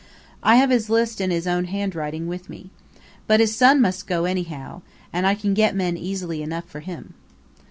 I have his list in his own handwriting with me. But his son must go anyhow, and I can get men easily enough for him."